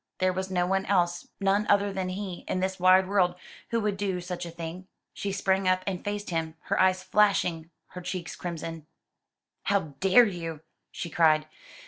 There was no one else none other than he in this wide world who would do such a thing! She sprang up, and faced him, her eyes flashing, her cheeks crimson. "How dare you?" she cried.